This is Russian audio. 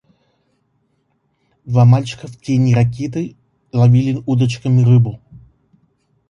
Два мальчика в тени ракиты ловили удочками рыбу.